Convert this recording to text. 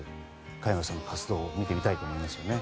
加山さんの活動を見ていたいと思いますね。